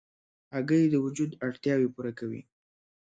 هګۍ د وجود اړتیاوې پوره کوي.